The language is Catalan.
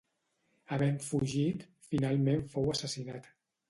Havent fugit, finalment fou assassinat.